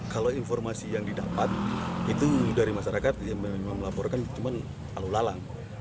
kalau informasi yang didapat itu dari masyarakat yang melaporkan cuma lalu lalang